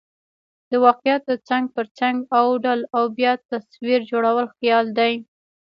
د واقعاتو څنګ پر څنګ اوډل او بیا تصویر جوړل خیال دئ.